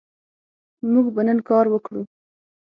موږ به نن کار وکړو